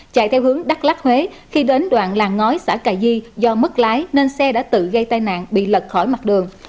chạy theo hướng đắk lắc huế khi đến đoạn làng ngói xã cà di do mất lái nên xe đã tự gây tai nạn bị lật khỏi mặt đường